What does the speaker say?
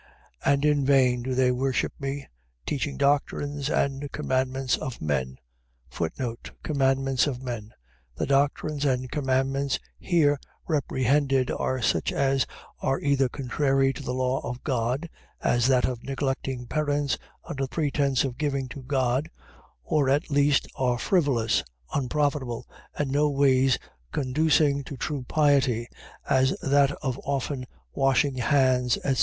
15:9. And in vain do they worship me, teaching doctrines and commandments of men. Commandments of men. . .The doctrines and commandments here reprehended are such as are either contrary to the law of God, (as that of neglecting parents, under pretence of giving to God,) or at least are frivolous, unprofitable, and no ways conducing to true piety, as that of often washing hands, etc.